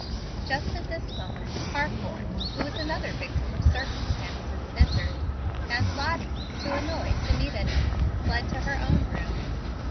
Just at this moment Harcourt, who was another victim of circumstances, entered, and Lottie, too annoyed to meet any one, fled to her own room.